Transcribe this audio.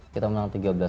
kita menang tiga belas